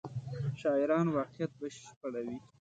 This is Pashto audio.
شاعران واقعیت بشپړوي.